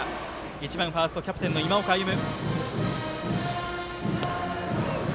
１番ファースト、キャプテンの今岡歩夢。